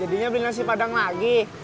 jadinya beli nasi padang lagi